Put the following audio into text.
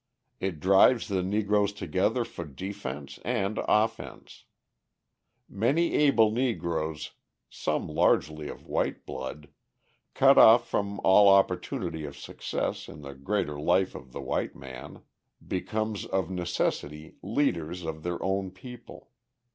It drives the Negroes together for defence and offence. Many able Negroes, some largely of white blood, cut off from all opportunity of success in the greater life of the white man, become of necessity leaders of their own people.